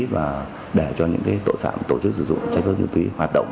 và để cho những tội phạm tổ chức sử dụng chai phép chất ma túy hoạt động